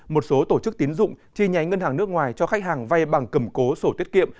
một số tổ chức tín dụng chi nhánh ngân hàng nước ngoài cho khách hàng vay bằng cầm cố sổ tiết kiệm